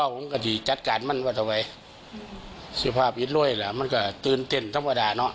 มองไห้ไหมครับ